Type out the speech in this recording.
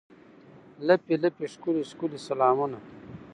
لپې، لپې ښکلي، ښکلي سلامونه